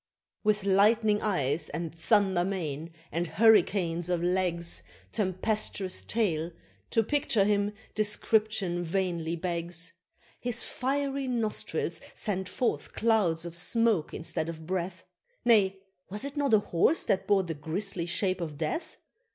With lightning eyes, and thunder mane, and hurricanes of legs, Tempestuous tail to picture him description vainly begs! His fiery nostrils send forth clouds of smoke instead of breath Nay, was it not a Horse that bore the grisly Shape of Death?